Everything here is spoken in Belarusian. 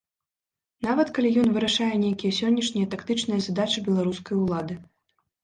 Нават калі ён вырашае нейкія сённяшнія тактычныя задачы беларускай улады.